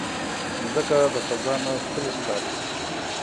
مځکه د فضا نه ښکلی ښکاري.